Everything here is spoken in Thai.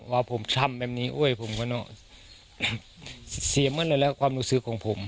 ว่าผมทำแบบนี้โอ้ยผมก็เนอะเสียเมืองเลยแล้วความรู้สึกของผม